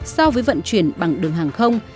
so với vận chuyển bằng đường hàng không